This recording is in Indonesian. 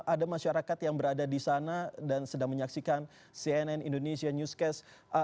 ada masyarakat yang berada di sana dan sedang menyaksikan cnn indonesia newscast